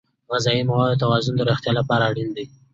د غذایي موادو توازن د روغتیا لپاره اړین دی.